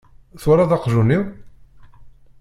Twalaḍ aqjun-iw?